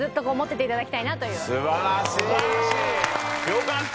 よかった！